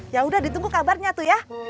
ya udah ditunggu kabarnya tuh ya